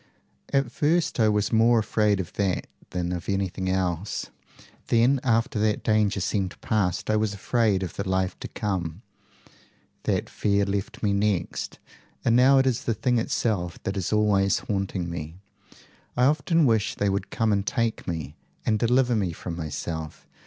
"At first I was more afraid of that than of anything else. Then after that danger seemed past, I was afraid of the life to come. That fear left me next, and now it is the thing itself that is always haunting me. I often wish they would come and take me, and deliver me from myself.